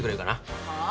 はあ？